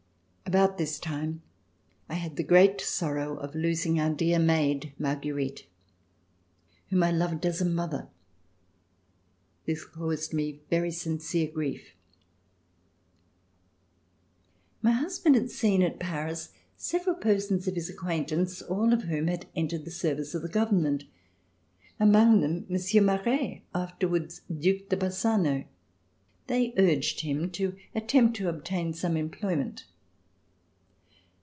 About this time I had the great sorrow of losing our dear maid. Marguerite, whom I loved as a mother. This caused me very sincere grief. LIFE AT LE BOLILH My husband had seen at Paris several persons of his acquaintance, all of whom had entered the service of the government, among them, Monsieur Maret, afterwards Due de Bassano. They urged him to attempt to obtain some employment.